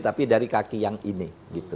tapi dari kaki yang ini